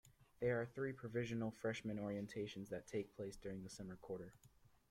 There are three Provisional Freshmen Orientations that take place during the summer quarter.